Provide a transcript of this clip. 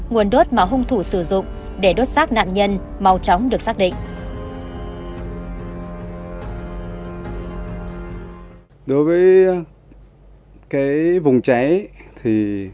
nguồn đốt mà hung thủ sử dụng để đốt xác nạn nhân màu chóng được xác định